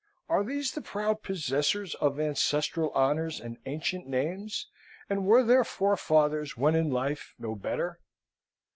"Are these the proud possessors of ancestral honours and ancient names, and were their forefathers, when in life, no better?